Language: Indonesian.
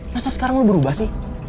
masa sekarang lu berubah sih